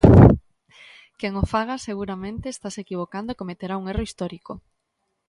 Quen o faga, seguramente, estase equivocando e cometerá un erro histórico.